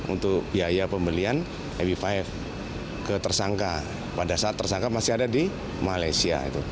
untuk biaya pembelian happy five ke tersangka pada saat tersangka masih ada di malaysia